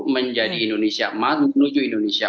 menjadi indonesia emat menuju indonesia